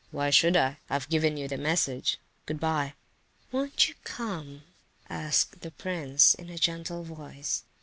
"Why should I? I've given you the message.—Goodbye!" "Won't you come?" asked the prince in a gentle voice.